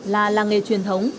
là làng nghề truyền thống